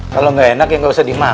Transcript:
kalo gak enak ya gak usah dimakan mah